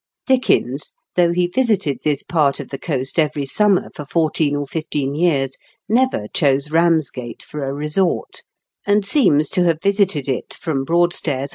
Dickens, though he visited this part of the coast every summer for fourteen or fifteen years, never chose Eamsgate for a resort, and seems to have visited it from Broadstairs on.